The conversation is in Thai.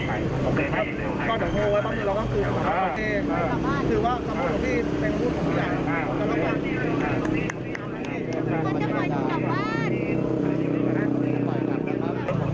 ถ้าผมเกิดมากลับบ้านมันจะเจอสภิวดัง